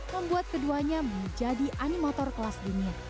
membuat keduanya menjadi animotor kelas dunia